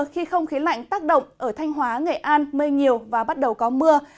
khi không khí lạnh tác động ở thanh hóa nghệ an mây nhiều và bắt đầu có mưa